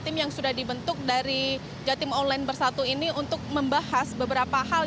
tim yang sudah dibentuk dari jatim online bersatu ini untuk membahas beberapa hal